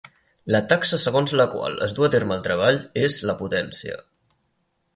La taxa segons la qual es du a terme el treball és la potència.